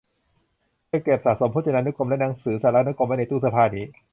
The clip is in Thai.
เธอเก็บสะสมพจนานุกรมและหนังสือสารานุกรมไว้ในตู้เสื้อผ้านี้